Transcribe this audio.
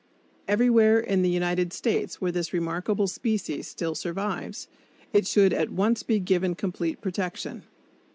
Everywhere in the United States where this remarkable species still survives, it should at once be given complete protection.